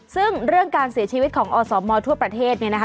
ซึ่งเรื่องการเสียชีวิตของอสมทั่วประเทศเนี่ยนะคะ